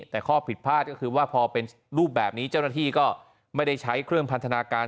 แต่ข้อผิดพลาดก็คือว่าพอเป็นรูปแบบนี้เจ้าหน้าที่ก็ไม่ได้ใช้เครื่องพันธนาการ